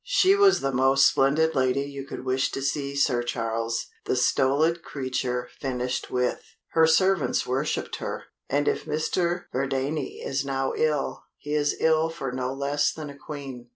"She was the most splendid lady you could wish to see, Sir Charles," the stolid creature finished with. "Her servants worshipped her and if Mr. Verdayne is ill now, he is ill for no less than a Queen."